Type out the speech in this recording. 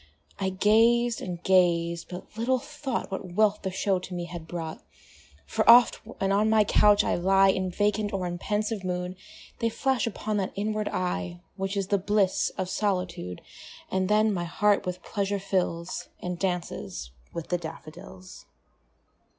I gazed and gazed but little thought What wealth the show to me had brought; For oft, when on my couch I lie In vacant or in pensive mood, They flash upon that inward eye Which is the bliss of solitude; And then my heart with pleasure fills, And dances with the daffodils.